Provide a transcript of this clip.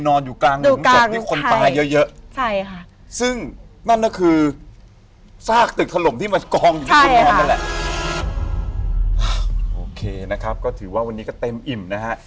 กรองอยู่ข้างนอกนั่นแหละโอเคนะครับก็ถือว่าวันนี้ก็เต็มอิ่มนะฮะ